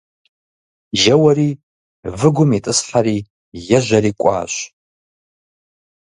Еуэри выгум итӀысхьэри ежьэри кӀуащ.